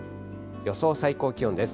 予想最高気温です。